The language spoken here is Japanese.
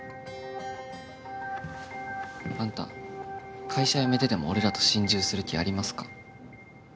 あんた会社辞めてでも俺らと心中する気ありますか？